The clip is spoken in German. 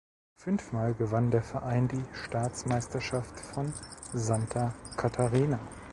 Fünfmal gewann der Verein die Staatsmeisterschaft von Santa Catarina.